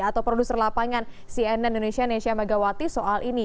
atau produser lapangan cnn indonesia nesya megawati soal ini